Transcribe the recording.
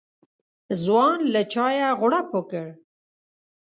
ځوان له چايه غوړپ وکړ.